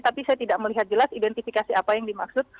tapi saya tidak melihat jelas identifikasi apa yang dimaksud